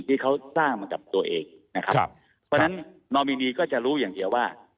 ที่เขาสร้างมากับตัวเองนะครับเพราะฉะนั้นนอมินีก็จะรู้อย่างเดียวว่า